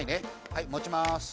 はい持ちます。